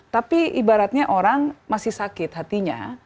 tapi ibaratnya orang masih sakit hatinya